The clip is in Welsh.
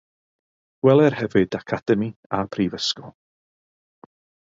Gweler hefyd academi a prifysgol.